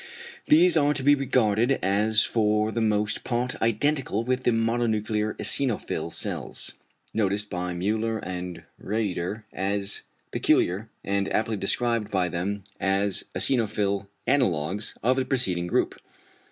These are to be regarded as for the most part identical with the mononuclear eosinophil cells, noticed by Müller and Rieder as peculiar, and aptly described by them as the eosinophil analogues of the preceding group.